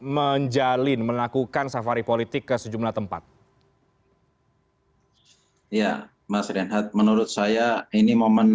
menjalin melakukan safari politik ke sejumlah tempat ya mas renhat menurut saya ini momen